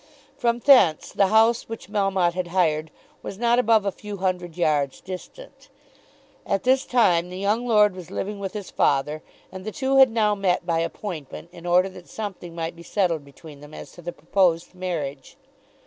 From thence the house which Melmotte had hired was not above a few hundred yards distant. At this time the young lord was living with his father, and the two had now met by appointment in order that something might be settled between them as to the proposed marriage.